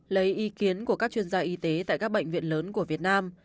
lấy ý kiến của các chuyên gia y tế tại các bệnh viện lớn của việt nam